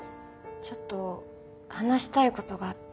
ちょっと話したい事があって。